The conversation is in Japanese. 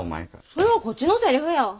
それはこっちのセリフや。